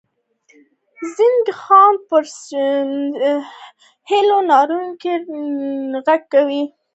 زنګي خان پر سیکهانو ناڅاپي حمله وکړه.